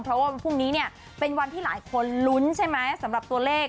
เพราะว่าพรุ่งนี้เป็นวันที่หลายคนลุ้นสำหรับตัวเลข